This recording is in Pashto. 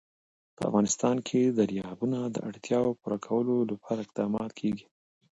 په افغانستان کې د دریابونه د اړتیاوو پوره کولو لپاره اقدامات کېږي.